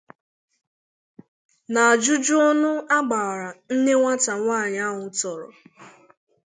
Najụjụ ọnụ a gbàrà nne nwata nwaanyị ahụ a tọọrọ